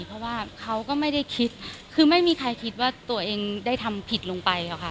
เพราะว่าเขาก็ไม่ได้คิดคือไม่มีใครคิดว่าตัวเองได้ทำผิดลงไปค่ะ